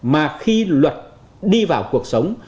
mà khi luật đi vào cuộc sống